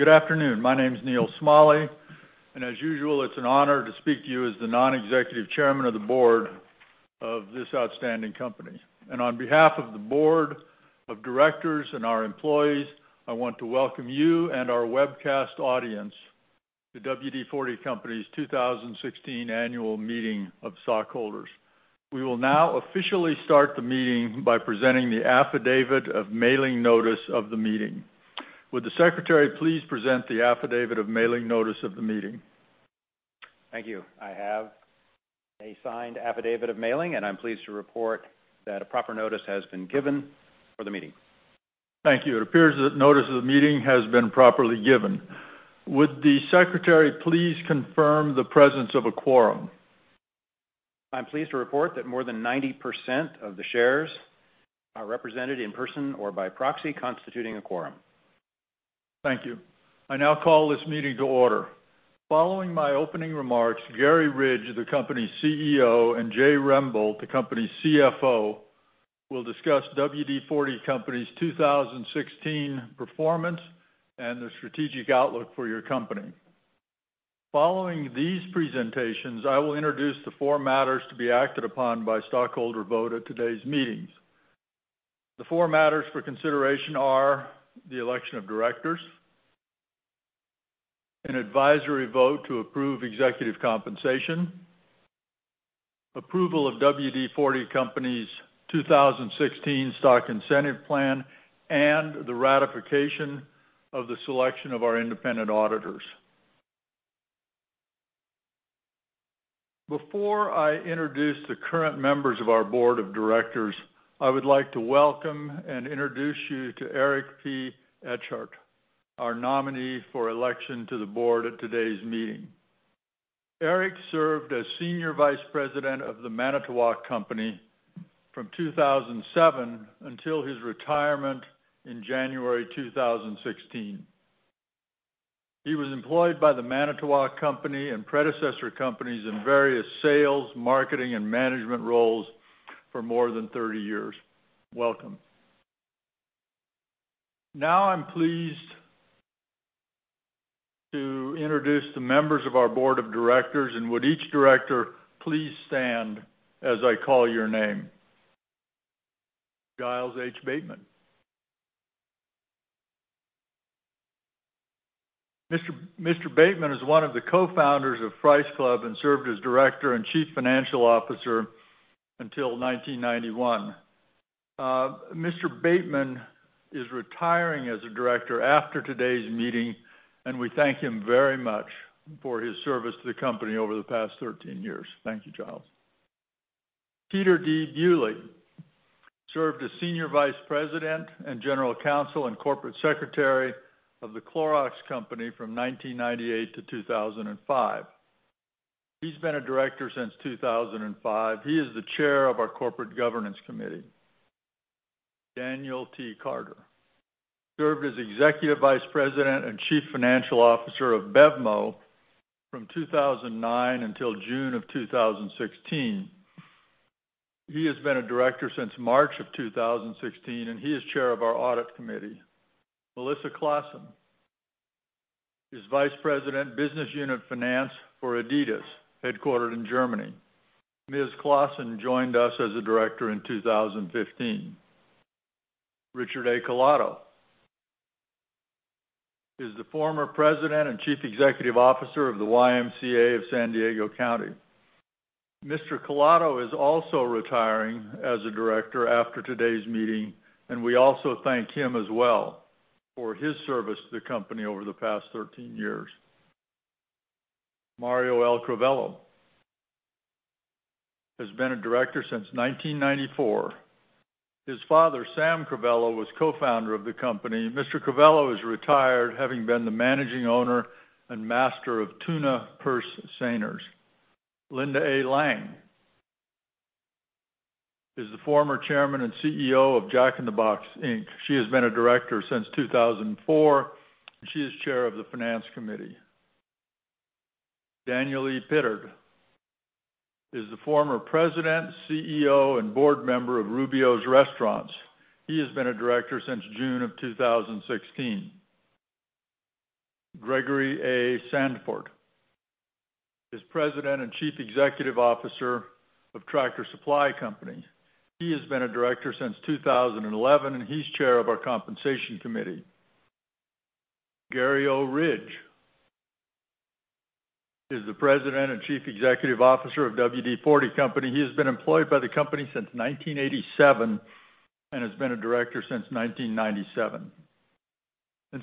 Good afternoon. My name is Neal E. Schmale, and as usual, it's an honor to speak to you as the non-executive chairman of the board of this outstanding company. On behalf of the board of directors and our employees, I want to welcome you and our webcast audience to WD-40 Company's 2016 annual meeting of stockholders. We will now officially start the meeting by presenting the affidavit of mailing notice of the meeting. Would the secretary please present the affidavit of mailing notice of the meeting? Thank you. I have a signed affidavit of mailing, and I'm pleased to report that a proper notice has been given for the meeting. Thank you. It appears that notice of the meeting has been properly given. Would the secretary please confirm the presence of a quorum? I'm pleased to report that more than 90% of the shares are represented in person or by proxy, constituting a quorum. Thank you. I now call this meeting to order. Following my opening remarks, Garry Ridge, the company's CEO, and Jay Rembolt, the company's CFO, will discuss WD-40 Company's 2016 performance and the strategic outlook for your company. Following these presentations, I will introduce the four matters to be acted upon by stockholder vote at today's meetings. The four matters for consideration are the election of directors, an advisory vote to approve executive compensation, approval of WD-40 Company's 2016 stock incentive plan, and the ratification of the selection of our independent auditors. Before I introduce the current members of our board of directors, I would like to welcome and introduce you to Eric P. Etchart, our nominee for election to the board at today's meeting. Eric served as senior vice president of The Manitowoc Company from 2007 until his retirement in January 2016. He was employed by The Manitowoc Company and predecessor companies in various sales, marketing, and management roles for more than 30 years. Welcome. Now I'm pleased to introduce the members of our board of directors, would each director please stand as I call your name? Giles H. Bateman. Mr. Bateman is one of the co-founders of Price Club and served as director and chief financial officer until 1991. Mr. Bateman is retiring as a director after today's meeting, we thank him very much for his service to the company over the past 13 years. Thank you, Giles. Peter D. Bewley served as senior vice president and general counsel and corporate secretary of The Clorox Company from 1998 to 2005. He's been a director since 2005. He is the chair of our corporate governance committee. Daniel T. Carter served as executive vice president and chief financial officer of BevMo! from 2009 until June of 2016. He has been a director since March of 2016, he is chair of our audit committee. Melissa Claassen is vice president, business unit finance for adidas, headquartered in Germany. Ms. Claassen joined us as a director in 2015. Richard A. Collato is the former president and chief executive officer of the YMCA of San Diego County. Mr. Collato is also retiring as a director after today's meeting, we also thank him as well for his service to the company over the past 13 years. Mario L. Crivello has been a director since 1994. His father, Sam Crivello, was co-founder of the company. Mr. Crivello is retired, having been the managing owner and master of tuna purse seiners. Linda A. Lang is the former chairman and CEO of Jack in the Box Inc. She has been a director since 2004, she is chair of the finance committee. Daniel E. Pittard is the former president, CEO, and board member of Rubio's Restaurants. He has been a director since June of 2016. Gregory A. Sandfort is president and chief executive officer of Tractor Supply Company. He has been a director since 2011, he's chair of our compensation committee. Garry O. Ridge is the president and chief executive officer of WD-40 Company. He has been employed by the company since 1987 and has been a director since 1997.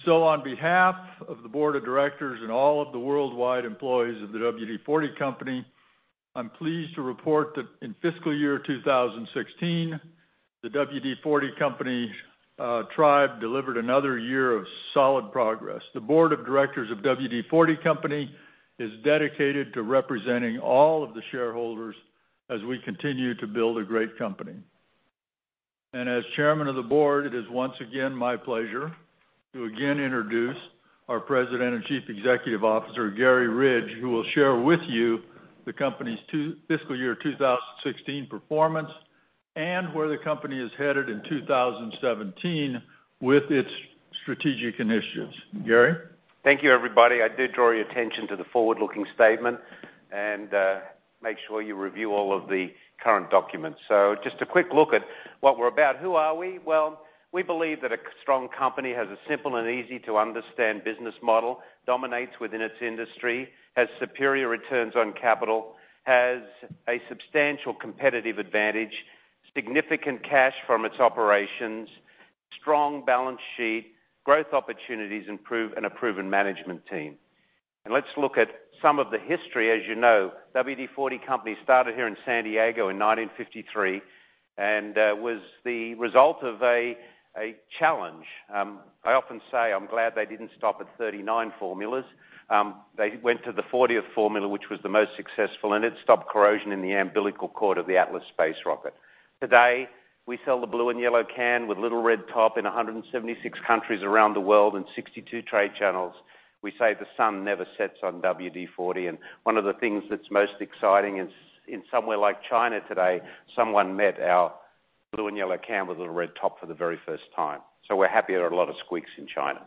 on behalf of the board of directors and all of the worldwide employees of the WD-40 Company, I'm pleased to report that in fiscal year 2016, the WD-40 Company tribe delivered another year of solid progress. The board of directors of WD-40 Company is dedicated to representing all of the shareholders as we continue to build a great company. As Chairman of the Board, it is once again my pleasure to again introduce our President and Chief Executive Officer, Garry Ridge, who will share with you the company's fiscal year 2016 performance and where the company is headed in 2017 with its strategic initiatives. Garry? Thank you, everybody. I did draw your attention to the forward-looking statement and make sure you review all of the current documents. Just a quick look at what we're about. Who are we? Well, we believe that a strong company has a simple and easy-to-understand business model, dominates within its industry, has superior returns on capital, has a substantial competitive advantage, significant cash from its operations, strong balance sheet, growth opportunities improve, and a proven management team. Let's look at some of the history. As you know, WD-40 Company started here in San Diego in 1953 and was the result of a challenge. I often say I'm glad they didn't stop at 39 formulas. They went to the 40th formula, which was the most successful, and it stopped corrosion in the umbilical cord of the Atlas space rocket. Today, we sell the blue and yellow can with little red top in 176 countries around the world and 62 trade channels. We say the sun never sets on WD-40. One of the things that's most exciting is in somewhere like China today, someone met our blue and yellow can with a red top for the very first time. We're happy there are a lot of squeaks in China.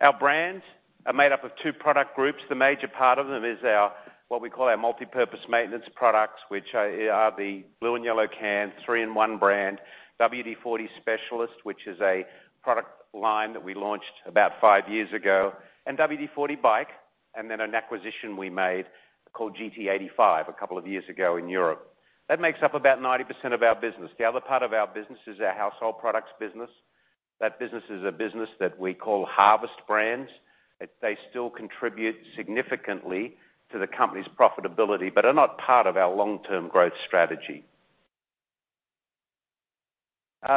Our brands are made up of two product groups. The major part of them is our, what we call our multipurpose maintenance products, which are the blue and yellow can, 3-IN-ONE brand, WD-40 Specialist, which is a product line that we launched about five years ago, and WD-40 BIKE, and then an acquisition we made called GT85 a couple of years ago in Europe. That makes up about 90% of our business. The other part of our business is our household products business. That business is a business that we call harvest brands. They still contribute significantly to the company's profitability, but are not part of our long-term growth strategy.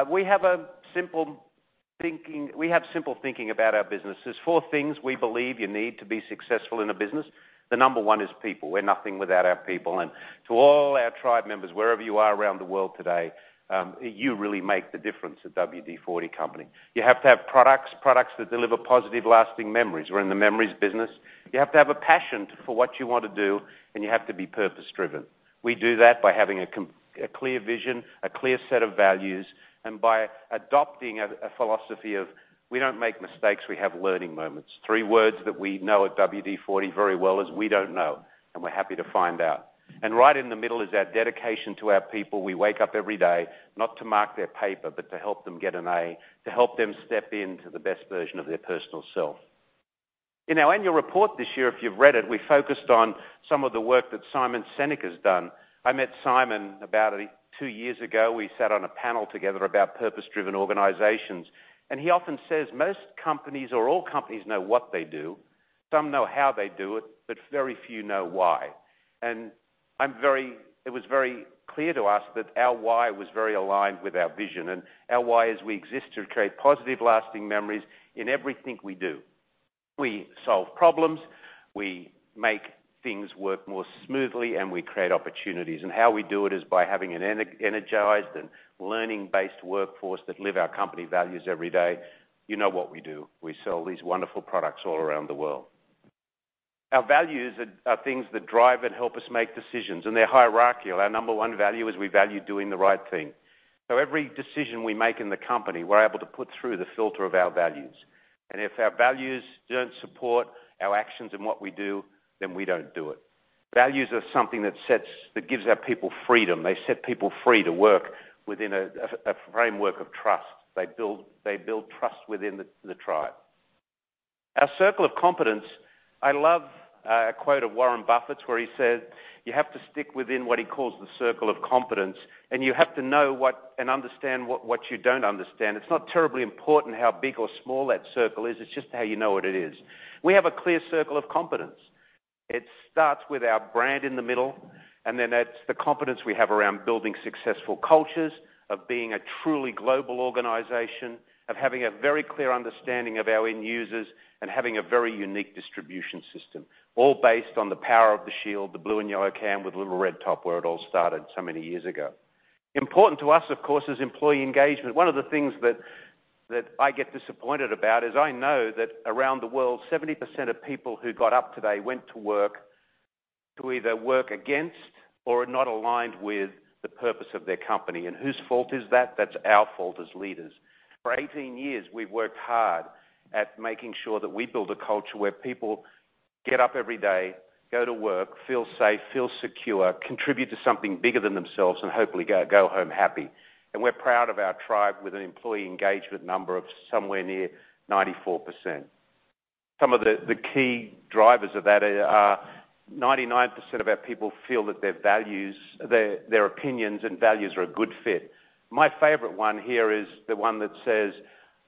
We have simple thinking about our business. There's four things we believe you need to be successful in a business. The number one is people. We're nothing without our people. To all our tribe members, wherever you are around the world today, you really make the difference at WD-40 Company. You have to have products that deliver positive, lasting memories. We're in the memories business. You have to have a passion for what you want to do, and you have to be purpose-driven. We do that by having a clear vision, a clear set of values, and by adopting a philosophy of we don't make mistakes, we have learning moments. Three words that we know at WD-40 very well is "we don't know," we're happy to find out. Right in the middle is our dedication to our people. We wake up every day, not to mark their paper, but to help them get an A, to help them step into the best version of their personal self. In our annual report this year, if you've read it, we focused on some of the work that Simon Sinek has done. I met Simon about two years ago. We sat on a panel together about purpose-driven organizations, he often says most companies or all companies know what they do. Some know how they do it, but very few know why. It was very clear to us that our why was very aligned with our vision. Our why is we exist to create positive, lasting memories in everything we do. We solve problems. We make things work more smoothly, we create opportunities. How we do it is by having an energized and learning-based workforce that live our company values every day. You know what we do. We sell these wonderful products all around the world. Our values are things that drive and help us make decisions, they're hierarchical. Our number one value is we value doing the right thing. Every decision we make in the company, we're able to put through the filter of our values. If our values don't support our actions and what we do, then we don't do it. Values are something that gives our people freedom. They set people free to work within a framework of trust. They build trust within the tribe. Our circle of competence, I love a quote of Warren Buffett's where he said you have to stick within what he calls the circle of competence, you have to know and understand what you don't understand. It's not terribly important how big or small that circle is. It's just how you know what it is. We have a clear circle of competence. It starts with our brand in the middle, that's the competence we have around building successful cultures, of being a truly global organization, of having a very clear understanding of our end users, having a very unique distribution system, all based on the power of the shield, the blue and yellow can with little red top where it all started so many years ago. Important to us, of course, is employee engagement. One of the things that I get disappointed about is I know that around the world, 70% of people who got up today went to work to either work against or are not aligned with the purpose of their company. Whose fault is that? That's our fault as leaders. For 18 years, we've worked hard at making sure that we build a culture where people get up every day, go to work, feel safe, feel secure, contribute to something bigger than themselves, hopefully go home happy. We're proud of our tribe with an employee engagement number of somewhere near 94%. Some of the key drivers of that are 99% of our people feel that their opinions and values are a good fit. My favorite one here is the one that says,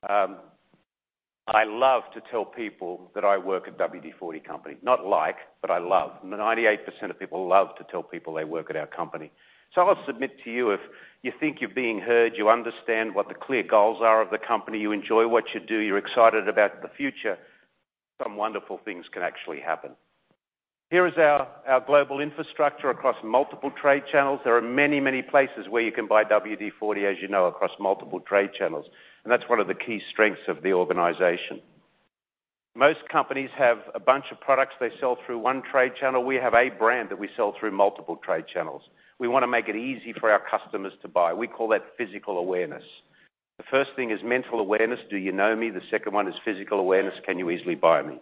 "I love to tell people that I work at WD-40 Company." Not like, but I love. 98% of people love to tell people they work at our company. I'll submit to you, if you think you're being heard, you understand what the clear goals are of the company, you enjoy what you do, you're excited about the future, some wonderful things can actually happen. Here is our global infrastructure across multiple trade channels. There are many, many places where you can buy WD-40, as you know, across multiple trade channels, and that's one of the key strengths of the organization. Most companies have a bunch of products they sell through one trade channel. We have a brand that we sell through multiple trade channels. We want to make it easy for our customers to buy. We call that physical awareness. The first thing is mental awareness. Do you know me? The second one is physical awareness. Can you easily buy me?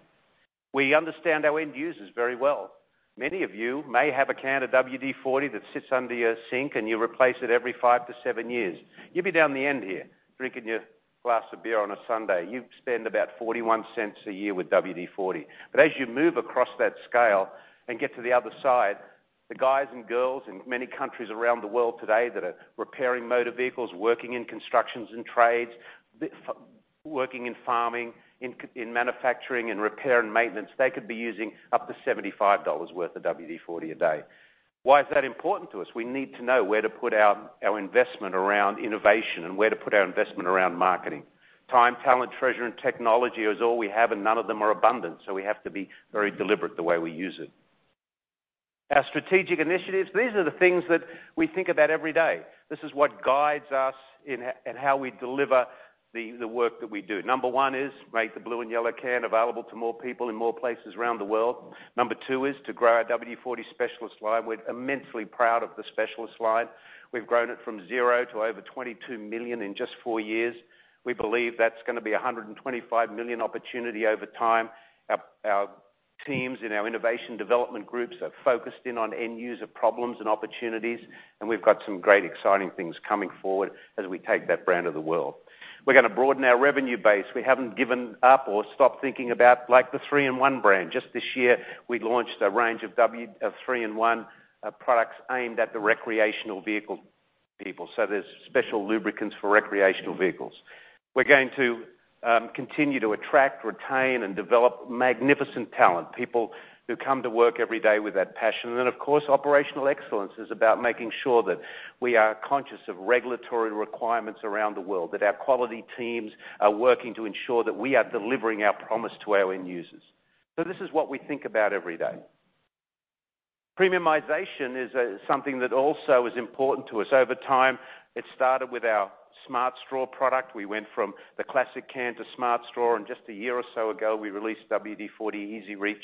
We understand our end users very well. Many of you may have a can of WD-40 that sits under your sink, and you replace it every five to seven years. You'll be down the end here, drinking your glass of beer on a Sunday. You spend about $0.41 a year with WD-40. As you move across that scale and get to the other side, the guys and girls in many countries around the world today that are repairing motor vehicles, working in constructions and trades, working in farming, in manufacturing, in repair and maintenance, they could be using up to $75 worth of WD-40 a day. Why is that important to us? We need to know where to put our investment around innovation and where to put our investment around marketing. Time, talent, treasure, and technology is all we have, and none of them are abundant, we have to be very deliberate the way we use it. Our strategic initiatives, these are the things that we think about every day. This is what guides us in how we deliver the work that we do. Number one is make the blue and yellow can available to more people in more places around the world. Number two is to grow our WD-40 Specialist line. We're immensely proud of the Specialist line. We've grown it from zero to over $22 million in just four years. We believe that's going to be a $125 million opportunity over time. Our teams and our innovation development groups are focused in on end user problems and opportunities, and we've got some great exciting things coming forward as we take that brand to the world. We're going to broaden our revenue base. We haven't given up or stopped thinking about the 3-IN-ONE brand. Just this year, we launched a range of 3-IN-ONE products aimed at the recreational vehicle people, there's special lubricants for recreational vehicles. We're going to continue to attract, retain, and develop magnificent talent, people who come to work every day with that passion. Of course, operational excellence is about making sure that we are conscious of regulatory requirements around the world, that our quality teams are working to ensure that we are delivering our promise to our end users. This is what we think about every day. Premiumization is something that also is important to us. Over time, it started with our Smart Straw product. We went from the classic can to Smart Straw, and just a year or so ago, we released WD-40 EZ-REACH,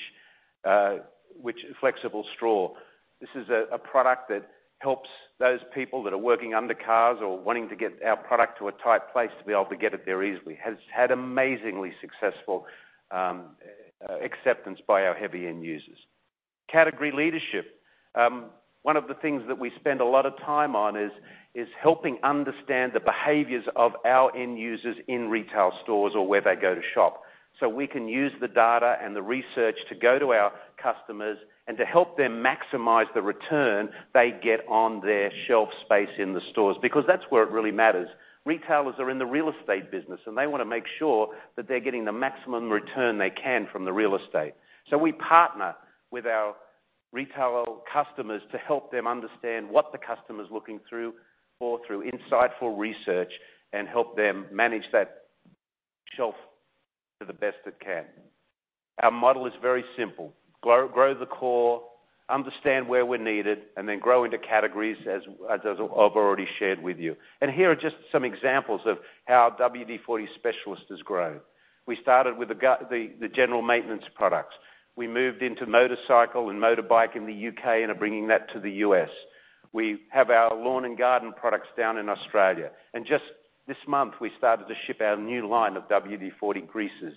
which is a flexible straw. This is a product that helps those people that are working under cars or wanting to get our product to a tight place to be able to get it there easily. It has had amazingly successful acceptance by our heavy-end users. Category leadership. One of the things that we spend a lot of time on is helping understand the behaviors of our end users in retail stores or where they go to shop. We can use the data and the research to go to our customers and to help them maximize the return they get on their shelf space in the stores, because that's where it really matters. Retailers are in the real estate business, and they want to make sure that they're getting the maximum return they can from the real estate. We partner with our retail customers to help them understand what the customer is looking through or through insightful research and help them manage that shelf to the best it can. Our model is very simple, grow the core, understand where we're needed, and then grow into categories as I've already shared with you. Here are just some examples of how WD-40 Specialist has grown. We started with the general maintenance products. We moved into motorcycle and motorbike in the U.K. and are bringing that to the U.S. We have our lawn and garden products down in Australia. Just this month, we started to ship our new line of WD-40 greases.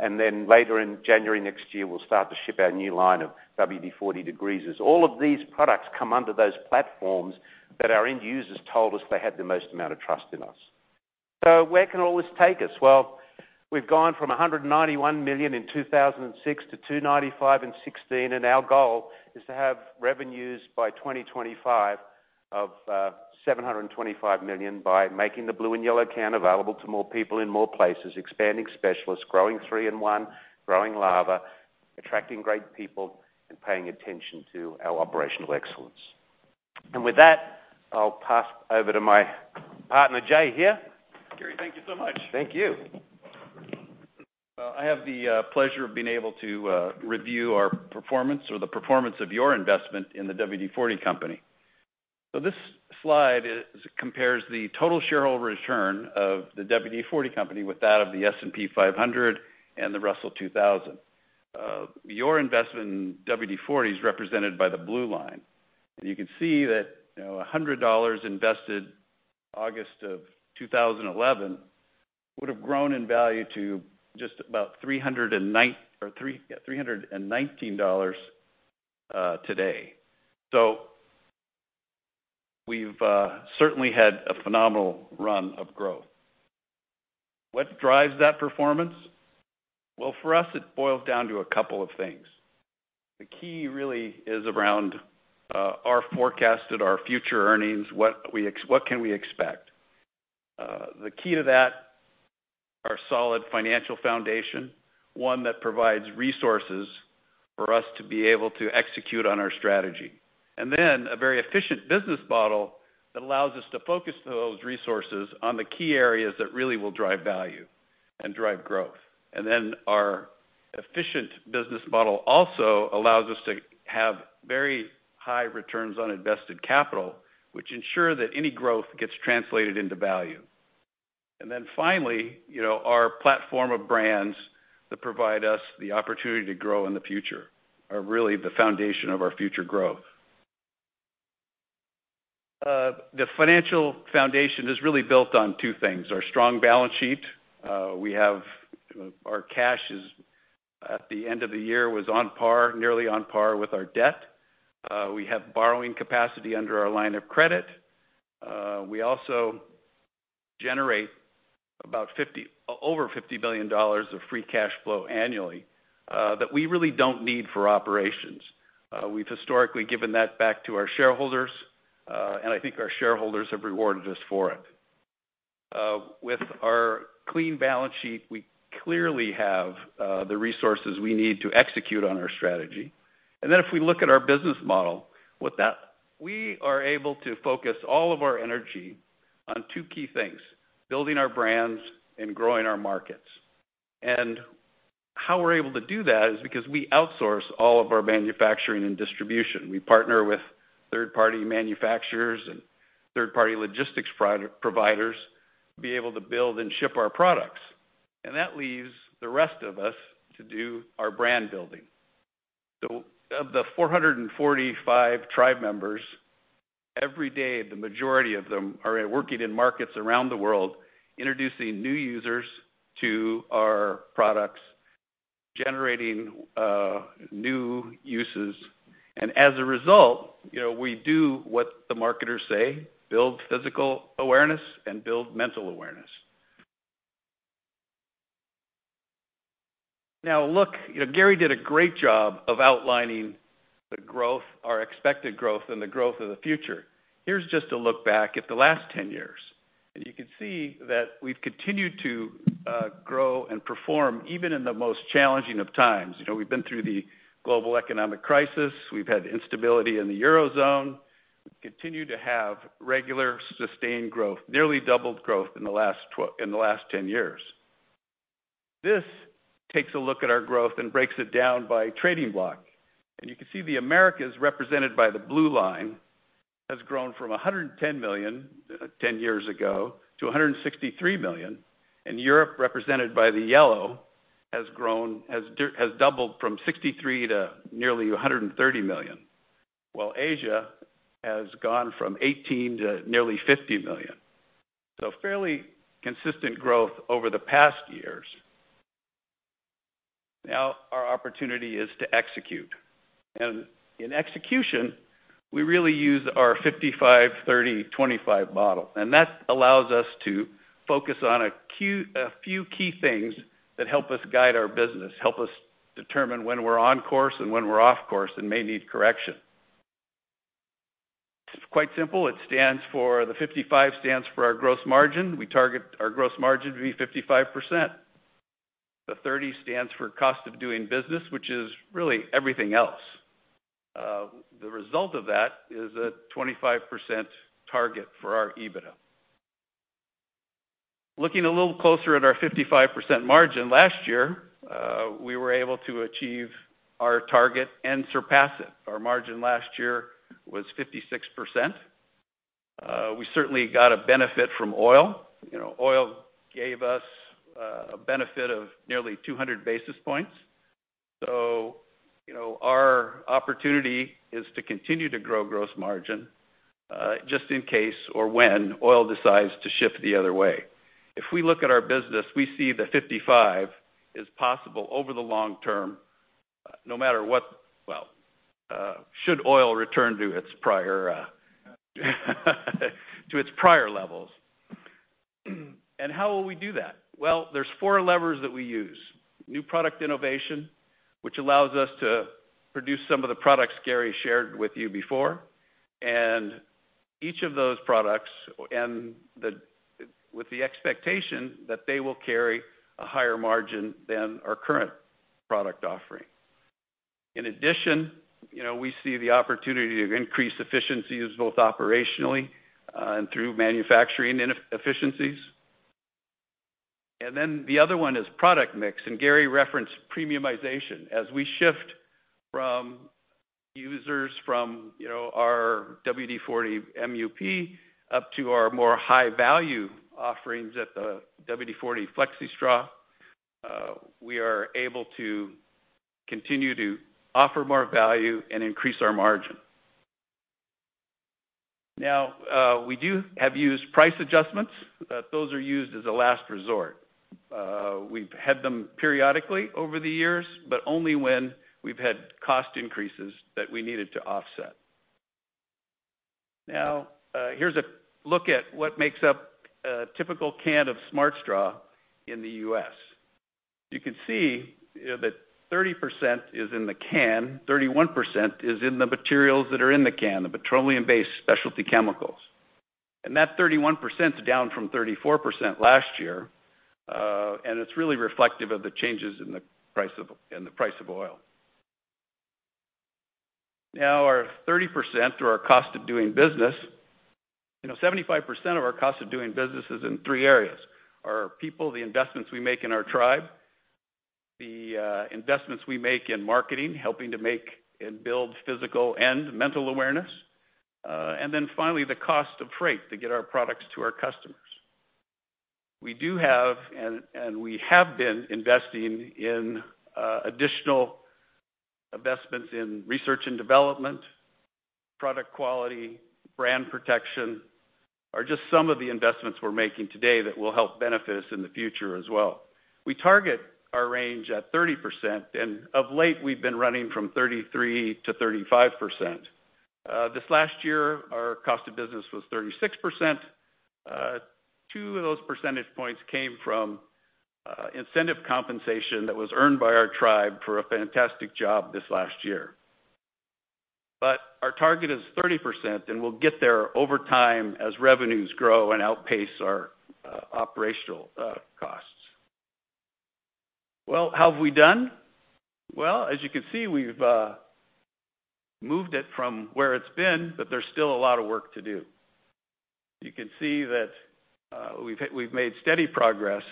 Later in January next year, we'll start to ship our new line of WD-40 degreasers. All of these products come under those platforms that our end users told us they had the most amount of trust in us. Where can all this take us? We've gone from $191 million in 2006 to $295 million in 2016, and our goal is to have revenues by 2025 of $725 million by making the blue and yellow can available to more people in more places, expanding WD-40 Specialist, growing 3-IN-ONE, growing Lava, attracting great people, and paying attention to our operational excellence. With that, I'll pass over to my partner, Jay, here. Garry, thank you so much. Thank you. I have the pleasure of being able to review our performance or the performance of your investment in the WD-40 Company. This slide compares the total shareholder return of the WD-40 Company with that of the S&P 500 and the Russell 2000. Your investment in WD-40 is represented by the blue line, and you can see that $100 invested August of 2011 would have grown in value to just about $319 today. We've certainly had a phenomenal run of growth. What drives that performance? Well, for us, it boils down to a couple of things. The key really is around our future earnings, what can we expect? The key to that, our solid financial foundation, one that provides resources for us to be able to execute on our strategy. A very efficient business model that allows us to focus those resources on the key areas that really will drive value and drive growth. Our efficient business model also allows us to have very high returns on invested capital, which ensure that any growth gets translated into value. Finally, our platform of brands that provide us the opportunity to grow in the future are really the foundation of our future growth. The financial foundation is really built on two things, our strong balance sheet. Our cash at the end of the year was nearly on par with our debt. We have borrowing capacity under our line of credit. We also generate over $50 billion of free cash flow annually, that we really don't need for operations. We've historically given that back to our shareholders, and I think our shareholders have rewarded us for it. With our clean balance sheet, we clearly have the resources we need to execute on our strategy. If we look at our business model, with that, we are able to focus all of our energy on two key things, building our brands and growing our markets. How we're able to do that is because we outsource all of our manufacturing and distribution. We partner with third-party manufacturers and third-party logistics providers to be able to build and ship our products. That leaves the rest of us to do our brand building. Of the 445 tribe members, every day, the majority of them are working in markets around the world, introducing new users to our products, generating new uses, and as a result, we do what the marketers say, build physical awareness and build mental awareness. Look, Garry did a great job of outlining our expected growth and the growth of the future. Here's just a look back at the last 10 years. You can see that we've continued to grow and perform even in the most challenging of times. We've been through the global economic crisis. We've had instability in the Eurozone. We've continued to have regular sustained growth, nearly doubled growth in the last 10 years. This takes a look at our growth and breaks it down by trading block. You can see the Americas, represented by the blue line, has grown from $110 million 10 years ago to $163 million. Europe, represented by the yellow, has doubled from $63 million to nearly $130 million. While Asia has gone from $18 million to nearly $50 million. Fairly consistent growth over the past years. Our opportunity is to execute, and in execution, we really use our 55/30/25 model, that allows us to focus on a few key things that help us guide our business, help us determine when we're on course and when we're off course and may need correction. It's quite simple. The 55 stands for our gross margin. We target our gross margin to be 55%. The 30 stands for cost of doing business, which is really everything else. The result of that is a 25% target for our EBITDA. Looking a little closer at our 55% margin last year, we were able to achieve our target and surpass it. Our margin last year was 56%. We certainly got a benefit from oil. Oil gave us a benefit of nearly 200 basis points. Our opportunity is to continue to grow gross margin, just in case or when oil decides to shift the other way. If we look at our business, we see the 55 is possible over the long term, no matter what should oil return to its prior levels. How will we do that? There's four levers that we use. New product innovation, which allows us to produce some of the products Garry shared with you before, and each of those products, and with the expectation that they will carry a higher margin than our current product offering. In addition, we see the opportunity to increase efficiencies both operationally and through manufacturing efficiencies. The other one is product mix, and Garry referenced premiumization. As we shift from users from our WD-40 MUP up to our more high-value offerings at the WD-40 EZ-REACH, we are able to continue to offer more value and increase our margin. We do have used price adjustments, but those are used as a last resort. We've had them periodically over the years, but only when we've had cost increases that we needed to offset. Here's a look at what makes up a typical can of Smart Straw in the U.S. You can see that 30% is in the can, 31% is in the materials that are in the can, the petroleum-based specialty chemicals. That 31% is down from 34% last year. It's really reflective of the changes in the price of oil Our 30%, or our cost of doing business. 75% of our cost of doing business is in three areas. Our people, the investments we make in our tribe, the investments we make in marketing, helping to make and build physical and mental awareness. Finally, the cost of freight to get our products to our customers. We do have, and we have been investing in additional investments in research and development, product quality, brand protection, are just some of the investments we're making today that will help benefit us in the future as well. We target our range at 30%, and of late we've been running from 33%-35%. This last year, our cost of business was 36%. Two of those percentage points came from incentive compensation that was earned by our tribe for a fantastic job this last year. Our target is 30%, and we'll get there over time as revenues grow and outpace our operational costs. How have we done? As you can see, we've moved it from where it's been, but there's still a lot of work to do. You can see that we've made steady progress.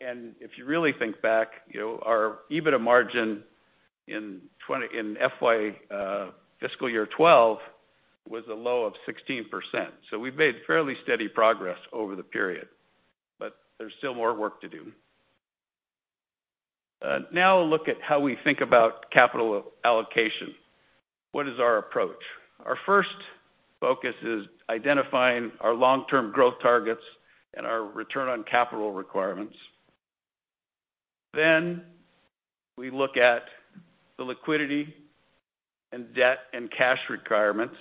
If you really think back, our EBITDA margin in fiscal year 2012 was a low of 16%. We've made fairly steady progress over the period, but there's still more work to do. Now a look at how we think about capital allocation. What is our approach? Our first focus is identifying our long-term growth targets and our return on capital requirements. We look at the liquidity and debt and cash requirements.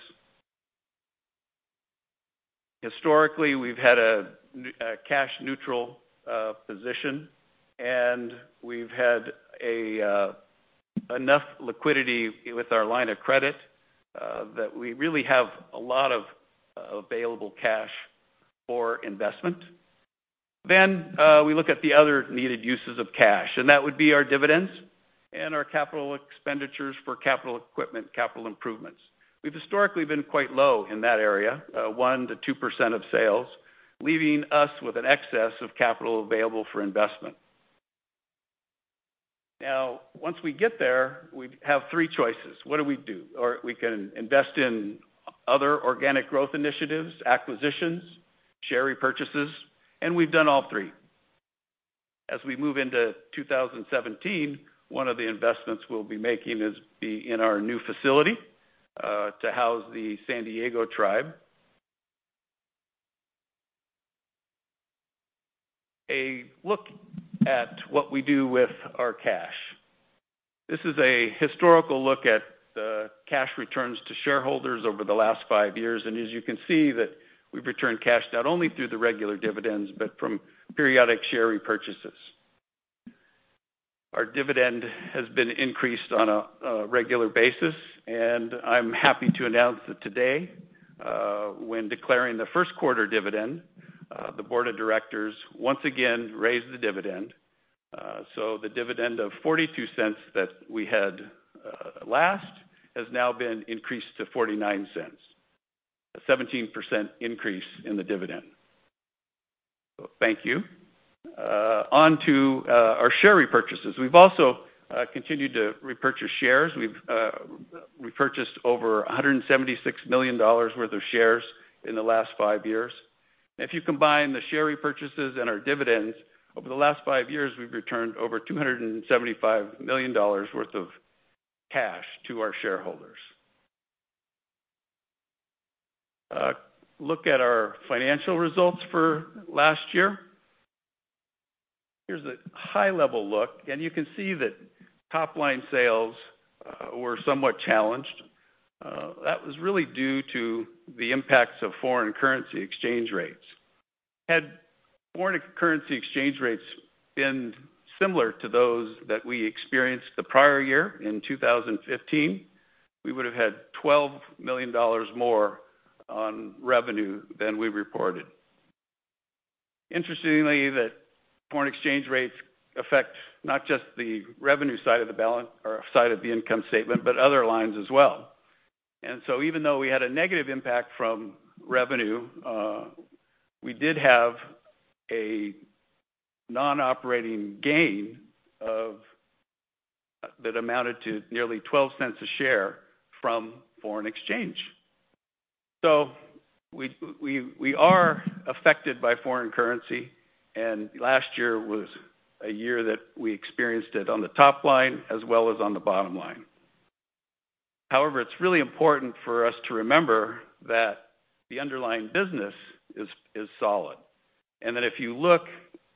Historically, we've had a cash neutral position, and we've had enough liquidity with our line of credit that we really have a lot of available cash for investment. We look at the other needed uses of cash. That would be our dividends and our capital expenditures for capital equipment, capital improvements. We've historically been quite low in that area, 1%-2% of sales, leaving us with an excess of capital available for investment. Now, once we get there, we have three choices. What do we do? We can invest in other organic growth initiatives, acquisitions, share repurchases. We've done all three. As we move into 2017, one of the investments we'll be making is in our new facility to house the San Diego tribe. A look at what we do with our cash. This is a historical look at the cash returns to shareholders over the last five years. As you can see that we've returned cash not only through the regular dividends, but from periodic share repurchases. Our dividend has been increased on a regular basis. I'm happy to announce that today, when declaring the first quarter dividend, the board of directors once again raised the dividend. The dividend of $0.42 that we had last has now been increased to $0.49. A 17% increase in the dividend. Thank you. On to our share repurchases. We've also continued to repurchase shares. We've repurchased over $176 million worth of shares in the last five years. If you combine the share repurchases and our dividends, over the last five years, we've returned over $275 million worth of cash to our shareholders. A look at our financial results for last year. Here's a high-level look. You can see that top-line sales were somewhat challenged. That was really due to the impacts of foreign currency exchange rates. Had foreign currency exchange rates been similar to those that we experienced the prior year in 2015, we would have had $12 million more on revenue than we reported. Interestingly, that foreign exchange rates affect not just the revenue side of the income statement, but other lines as well. Even though we had a negative impact from revenue, we did have a non-operating gain that amounted to nearly $0.12 a share from foreign exchange. We are affected by foreign currency, and last year was a year that we experienced it on the top line as well as on the bottom line. However, it's really important for us to remember that the underlying business is solid, and that if you look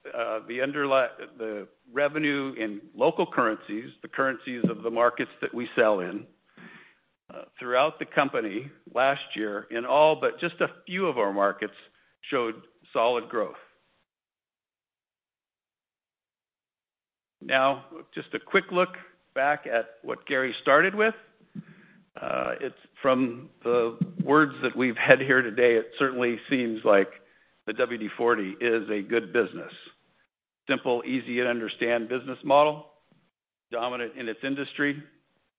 the revenue in local currencies, the currencies of the markets that we sell in, throughout the company last year in all but just a few of our markets showed solid growth. Just a quick look back at what Garry started with. From the words that we've had here today, it certainly seems like the WD-40 is a good business. Simple, easy to understand business model, dominant in its industry,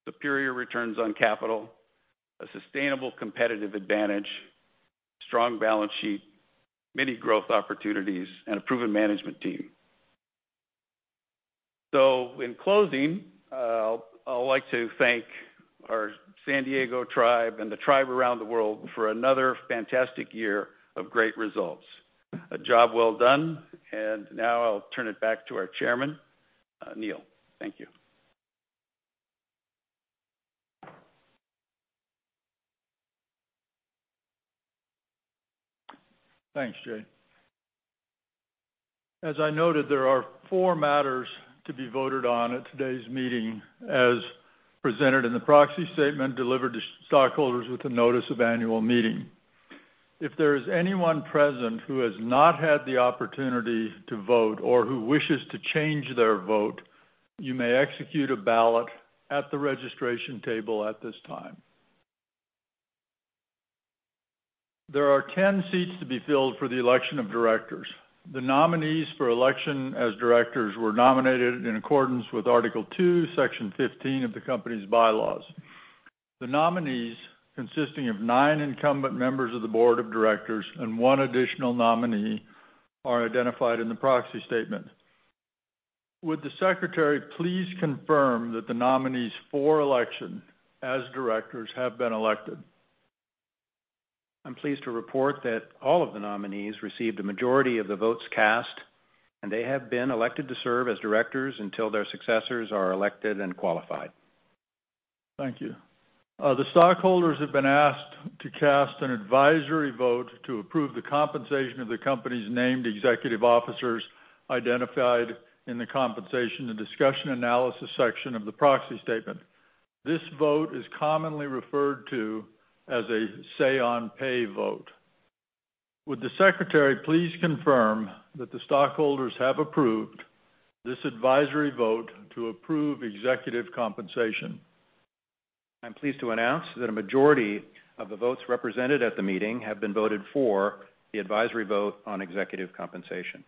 superior returns on capital, a sustainable competitive advantage, strong balance sheet, many growth opportunities, and a proven management team. In closing, I'd like to thank our San Diego tribe and the tribe around the world for another fantastic year of great results. A job well done. Now I'll turn it back to our Chairman, Neal. Thank you. Thanks, Jay. As I noted, there are four matters to be voted on at today's meeting as presented in the proxy statement delivered to stockholders with the notice of annual meeting. If there is anyone present who has not had the opportunity to vote or who wishes to change their vote, you may execute a ballot at the registration table at this time. There are 10 seats to be filled for the election of directors. The nominees for election as directors were nominated in accordance with Article 2, Section 15 of the company's bylaws. The nominees, consisting of nine incumbent members of the board of directors and one additional nominee, are identified in the proxy statement. Would the Secretary please confirm that the nominees for election as directors have been elected? I'm pleased to report that all of the nominees received a majority of the votes cast, and they have been elected to serve as directors until their successors are elected and qualified. Thank you. The stockholders have been asked to cast an advisory vote to approve the compensation of the company's named executive officers identified in the compensation and discussion analysis section of the proxy statement. This vote is commonly referred to as a say on pay vote. Would the secretary please confirm that the stockholders have approved this advisory vote to approve executive compensation? I'm pleased to announce that a majority of the votes represented at the meeting have been voted for the advisory vote on executive compensation.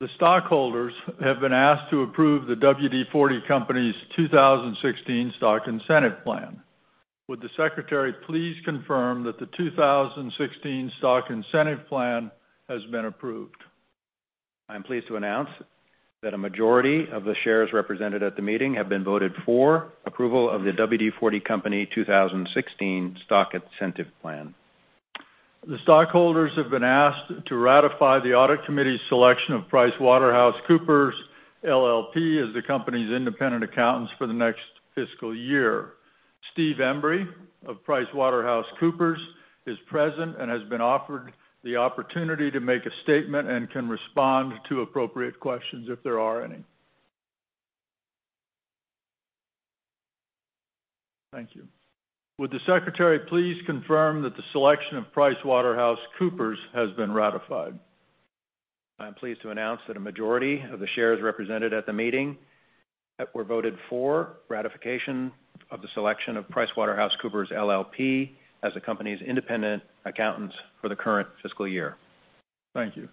The stockholders have been asked to approve the WD-40 Company's 2016 stock incentive plan. Would the secretary please confirm that the 2016 stock incentive plan has been approved? I'm pleased to announce that a majority of the shares represented at the meeting have been voted for approval of the WD-40 Company 2016 stock incentive plan. The stockholders have been asked to ratify the audit committee's selection of PricewaterhouseCoopers LLP as the company's independent accountants for the next fiscal year. Steve Embrey of PricewaterhouseCoopers is present and has been offered the opportunity to make a statement and can respond to appropriate questions if there are any. Thank you. Would the secretary please confirm that the selection of PricewaterhouseCoopers has been ratified? I am pleased to announce that a majority of the shares represented at the meeting were voted for ratification of the selection of PricewaterhouseCoopers LLP as the company's independent accountants for the current fiscal year. Thank you.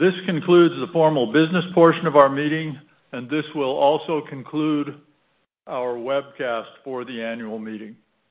This concludes the formal business portion of our meeting, and this will also conclude our webcast for the annual meeting.